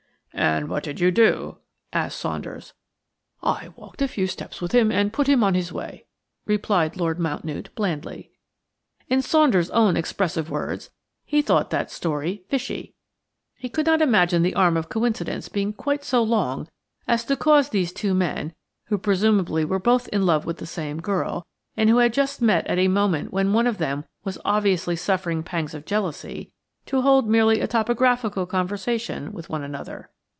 "And what did you do?" asked Saunders. "I walked a few steps with him and put him on his way," replied Lord Mountnewte, blandly. In Saunder's own expressive words, he thought that story "fishy." He could not imagine the arm of coincidence being quite so long as to cause these two men–who presumably were both in love with the same girl, and who had just met at a moment when one of them was obviously suffering pangs of jealously–to hold merely a topographical conversation with one another.